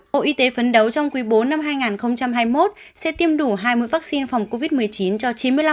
bộ y tế phấn đấu trong quý bốn năm hai nghìn hai mươi một sẽ tiêm đủ hai mươi vaccine phòng covid một mươi chín cho chín mươi năm